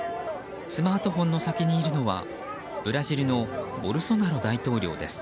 スマートフォンの先にいるのはブラジルのボルソナロ大統領です。